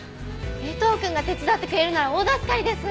江藤くんが手伝ってくれるなら大助かりです！